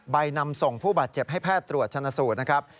นำส่งผู้บาดเจ็บให้แพทย์ตรวจชนะสูตรนะครับ